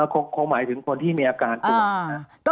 คงหมายถึงคนที่มีอาการป่วย